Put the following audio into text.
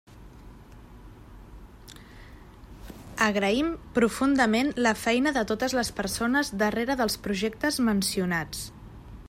Agraïm profundament la feina de totes les persones darrere dels projectes mencionats.